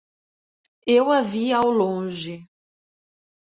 Eu a vi ao longe